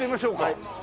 はい。